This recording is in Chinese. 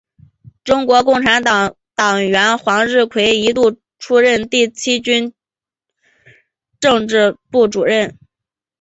中国共产党党员黄日葵一度出任第七军政治部主任。